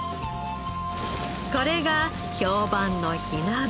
これが評判の火鍋。